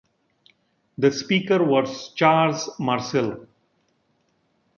The Speaker was Charles Marcil.